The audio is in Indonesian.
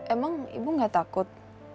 emang ibu gak takut